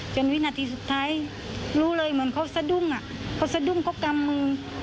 วินาทีสุดท้ายรู้เลยเหมือนเขาสะดุ้งอ่ะเขาสะดุ้งเขากำมือ